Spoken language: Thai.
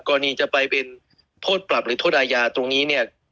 กรณีจะไปเป็นโทษปรับหรือโทษอาญาตรงนี้เนี่ย